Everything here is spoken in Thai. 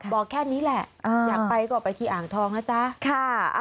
บอกแค่นี้แหละอยากไปก็ไปที่อ่างทองนะจ๊ะ